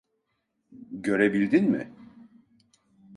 Görebildin mi?